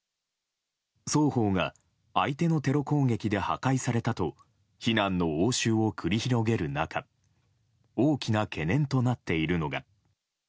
双方が相手のテロ攻撃で破壊されたと非難の応酬を繰り広げる中大きな懸念となっているのが。